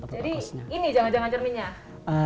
jadi ini jangka jangan cerminnya